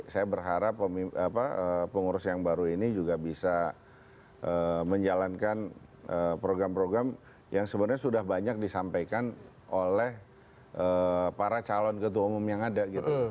saya berharap pengurus yang baru ini juga bisa menjalankan program program yang sebenarnya sudah banyak disampaikan oleh para calon ketua umum yang ada gitu